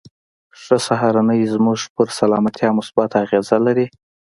ښه سهارنۍ زموږ پر سلامتيا مثبته اغېزه لري.